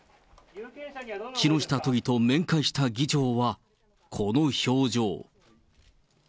木下都議と面会した議長はこの表情。